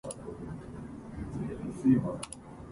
その笑顔が本とに大好きでした